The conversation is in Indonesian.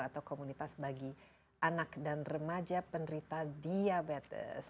atau komunitas bagi anak dan remaja penderita diabetes